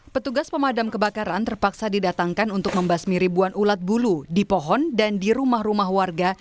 petugas pemadam kebakaran terpaksa didatangkan untuk membasmi ribuan ulat bulu di pohon dan di rumah rumah warga